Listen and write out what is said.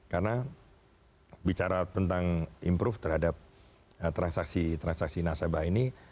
karena bicara tentang improve terhadap transaksi transaksi nasabah ini